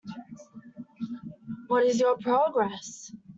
What is your progress?